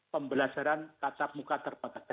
pembelajaran tatap muka terbatas